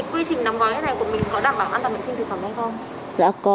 quy trình đóng gói thế này của mình có đảm bảo an toàn vệ sinh thực phẩm hay không